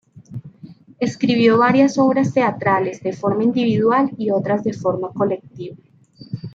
Escribió varias obras teatrales de forma individual y otras de forma colectiva.